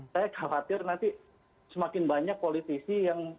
saya khawatir nanti semakin banyak politisi yang